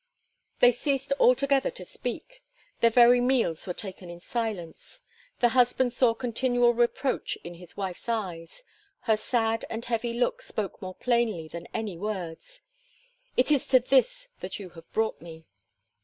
They ceased altogether to speak; their very meals were taken in silence. The husband saw continual reproach in his wife's eyes; her sad and heavy look spoke more plainly than any words, "It is to this that you have brought me."